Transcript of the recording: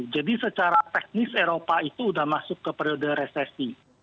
jadi secara teknis eropa itu udah masuk ke periode resesi